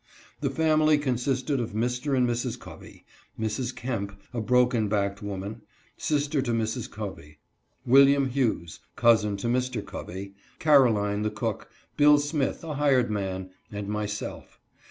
The family consisted of Mr. and Mrs. Covey ; Mrs. Kemp (a broken backed woman), sister to Mrs. Covey; William Hughes, cousin to Mr Covey; Caroline, the cook; Bill Smith, a hired man, and myself.